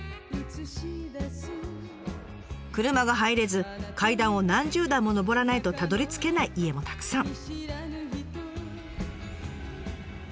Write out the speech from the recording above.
車が入れず階段を何十段も上らないとたどりつけない家もたくさん。